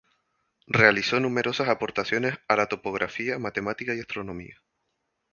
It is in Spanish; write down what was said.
Realizó numerosas aportaciones a la topografía, matemática y astronomía.